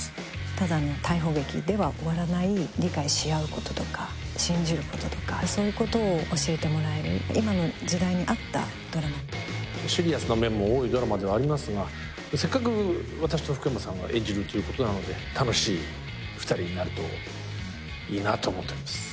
ただの逮捕劇では終わらない理解し合うこととか信じることとかそういうことを教えてもらえる今の時代に合ったドラマシリアスな面も多いドラマではありますがせっかく私と福山さんが演じるということなので楽しい２人になるといいなと思っております